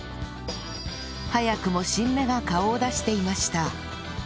早くも新芽が顔を出していました